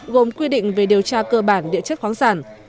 gồm quy định về điều tra cơ bản địa chất khoáng sản